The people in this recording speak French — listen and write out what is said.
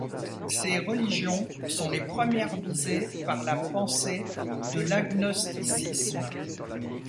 Ces religions sont les premières visées par la pensée de l'agnosticisme.